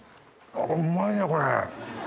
うまいねこれ。